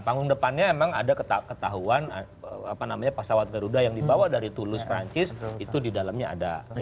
panggung depannya memang ada ketahuan apa namanya pasawat garuda yang dibawa dari toulouse perancis itu di dalamnya ada